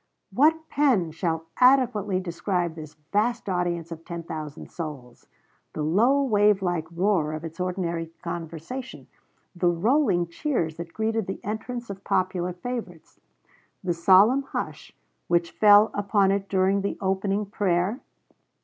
What pen shall adequately describe this vast audience of ten thousand souls? the low, wavelike roar of its ordinary conversation; the rolling cheers that greeted the entrance of popular favorites; the solemn hush which fell upon it during the opening prayer?